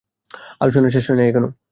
আলোচনা শেষ হয় নাই।